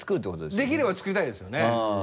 できれば作りたいですよね。